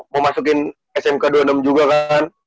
mau masukin smk dua puluh enam juga kan